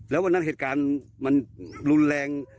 แล้ววันนั้นเหตุการณ์มันรุนแรง